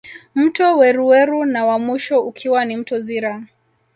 Mto Weruweru na wa mwisho ukiwa ni mto Zira